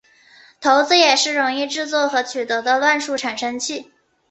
骰子也是容易制作和取得的乱数产生器。